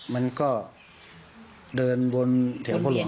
มันก็เดินบนแถวพระหลวง